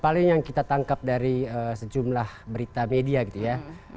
paling yang kita tangkap dari sejumlah berita media gitu ya